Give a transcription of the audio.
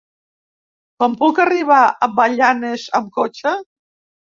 Com puc arribar a Belianes amb cotxe?